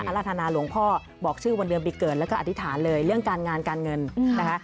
รัฐนาหลวงพ่อบอกชื่อวันเดือนปีเกิดแล้วก็อธิษฐานเลยเรื่องการงานการเงินนะคะ